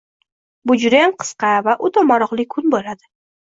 Bu judayam qisqa va oʻta maroqli kun boʻladi